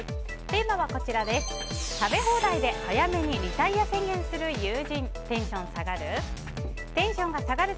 テーマは、食べ放題で早めにリタイア宣言する友人テンション下がる？